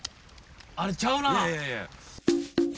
あれちゃうな。